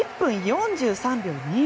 １分４３秒２１。